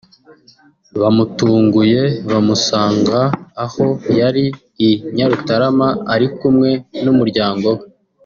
bamutunguye bamusanga aho yari i Nyarutarama ari kumwe n’umuryango we